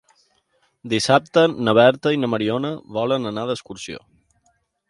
Dissabte na Berta i na Mariona volen anar d'excursió.